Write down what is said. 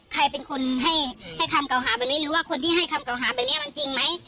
ใครเป็นคนให้คำเก่าหาแบบนี้หรือว่าคนที่ให้คำเก่าหาแบบนี้มันจริงไหม